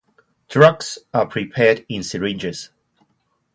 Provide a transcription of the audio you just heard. Drugs are prepared in syringes.